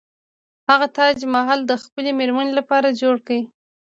هغه تاج محل د خپلې میرمنې لپاره جوړ کړ.